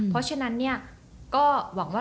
เพราะฉะนั้นเนี่ยก็หวังว่า